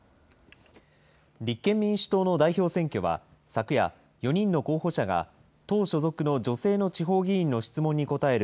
立憲民主党の代表選挙は昨夜、４人の候補者が、党所属の女性の地方議員の質問に答える、